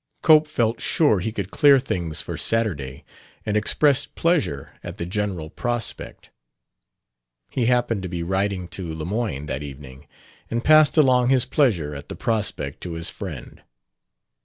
Cope felt sure he could clear things for Saturday, and expressed pleasure at the general prospect. He happened to be writing to Lemoyne that evening and passed along his pleasure at the prospect to his friend.